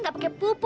gak bisa gitu ra